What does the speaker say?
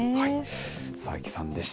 佐伯さんでした。